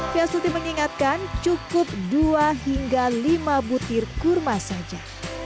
fiasuti mengingatkan cukup dua hingga lima butir kurma saja